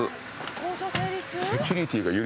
交渉成立？